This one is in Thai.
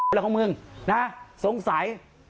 อะไรของมึงสงสัย